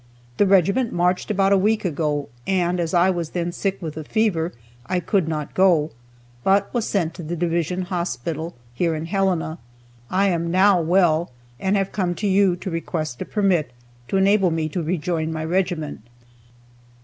The regiment marched about a week ago, and, as I was then sick with a fever, I could not go, but was sent to the Division Hospital, here in Helena. I am now well, and have come to you to request a permit to enable me to rejoin my regiment."